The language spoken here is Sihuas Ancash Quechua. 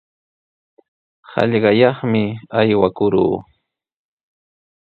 Hallqayaqmi aywakurquu.